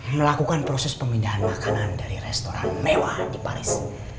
melakukan proses pemindahan makanan dari restoran mewah di paris